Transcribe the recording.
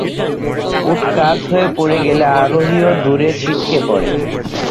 উট কাত হয়ে পড়ে গেলে আরোহীও দূরে ছিটকে পড়ে।